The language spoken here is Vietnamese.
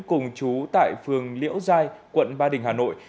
cùng chú tại phường liễu giai quận ba đình hà nội